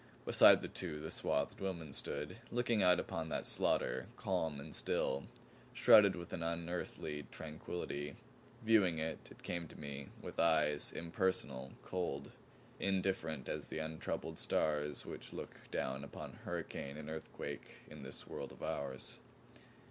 Beside the two the swathed woman stood, looking out upon that slaughter, calm and still, shrouded with an unearthly tranquillity viewing it, it came to me, with eyes impersonal, cold, indifferent as the untroubled stars which look down upon hurricane and earthquake in this world of ours.